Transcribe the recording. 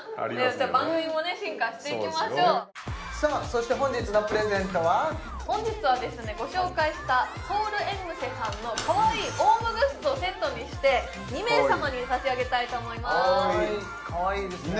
じゃあ番組もね進化していきましょう本日はですねご紹介したソウルエンムセさんのかわいいオウムグッズをセットにして２名様に差し上げたいと思いますかわいいかわいいですね